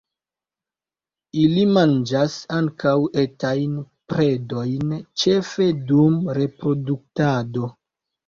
Ili manĝas ankaŭ etajn predojn, ĉefe dum reproduktado.